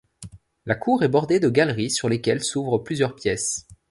La cour est bordée de galeries sur lesquelles s'ouvrent plusieurs pièces.